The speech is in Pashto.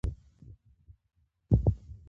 سوله او آرامي نوره هم ګرانوي.